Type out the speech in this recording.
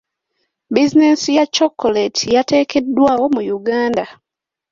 Buzinensi ya chocolate yateekeddwawo mu Uganda.